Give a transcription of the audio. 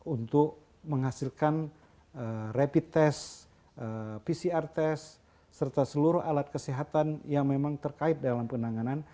untuk menghasilkan rapid test pcr test serta seluruh alat kesehatan yang memang terkait dalam penanganan